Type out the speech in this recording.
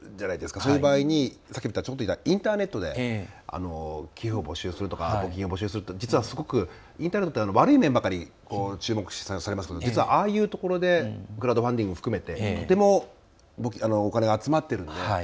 そういったときに、さっき言ったインターネットで寄付を募集するとかっていうのは実はすごくインターネットって悪い面ばかり注目されますが実はああいうところでクラウドファンディング含めてとても、お金が集まっているので。